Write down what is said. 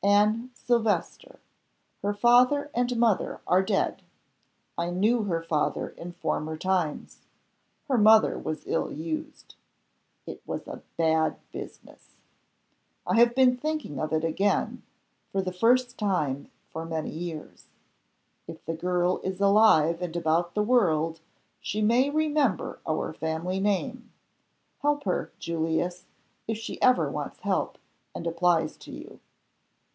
"Anne Silvester. Her father and mother are dead. I knew her father in former times. Her mother was ill used. It was a bad business. I have been thinking of it again, for the first time for many years. If the girl is alive and about the world she may remember our family name. Help her, Julius, if she ever wants help, and applies to you."